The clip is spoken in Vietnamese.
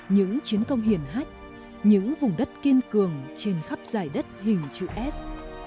những chiến công hiển hách những vùng đất kiên cường trên khắp dài đất hình chữ s